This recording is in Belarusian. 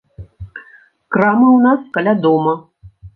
Крамы ў нас каля дома.